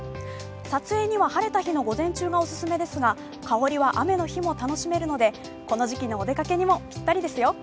撮影には晴れた日の午前中がオススメですが、香りは雨の日も楽しめるので、この時期のお出かけにもぴったりですよ。